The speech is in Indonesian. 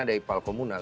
ada ipal komunal